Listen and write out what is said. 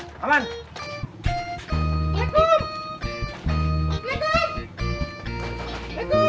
jadi seharusnya yang pertama